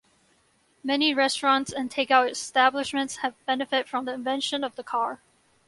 Many restaurants and take-out establishments have benefit from the invention of the car.